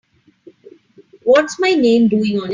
What's my name doing on it?